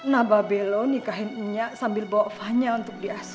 naba below nikahin nya sambil bawa vanya untuk di asur